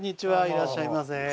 いらっしゃいませ。